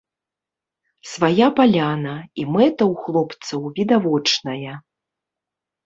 Свая паляна, і мэта ў хлопцаў відавочная.